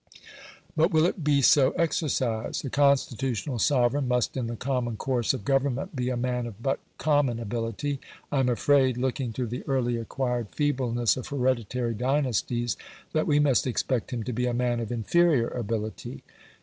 But will it be so exercised? A constitutional sovereign must in the common course of government be a man of but common ability. I am afraid, looking to the early acquired feebleness of hereditary dynasties, that we must expect him to be a man of inferior ability.